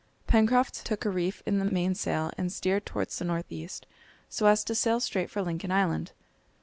Pencroft took a reef in the mainsail, and steered towards the north east, so as to sail straight for Lincoln Island.